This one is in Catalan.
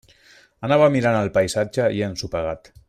Anava mirant el paisatge i he ensopegat.